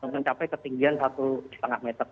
mencapai ketinggian satu lima meter